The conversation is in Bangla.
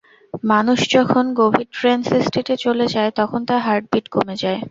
মানুষ যখন গভীর ট্রেন্স স্টেটে চলে যায় তখন তার হার্টবিট কমে যায়।